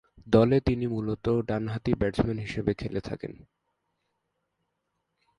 দলে তিনি মূলতঃ ডানহাতি ব্যাটসম্যান হিসেবে খেলে থাকেন।